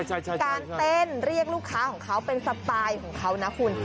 การเต้นเรียกลูกค้าของเขาเป็นสไตล์ของเขานะคุณ